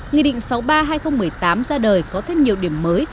nghị định sáu mươi ba hai nghìn một mươi tám ra đời có thêm nhiều điểm mới